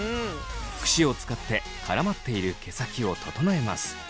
クシを使って絡まっている毛先を整えます。